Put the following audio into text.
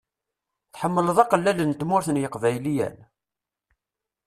Tḥemmleḍ aqellal n Tmurt n yeqbayliyen?